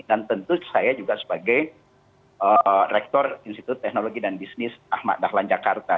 dan tentu saya juga sebagai rektor institut teknologi dan bisnis ahmad dahlan jakarta